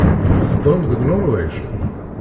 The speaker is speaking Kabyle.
Tzedɣem deg Nuṛwij?